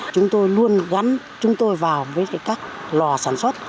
chúng tôi luôn gắn chúng tôi vào với các lò sản xuất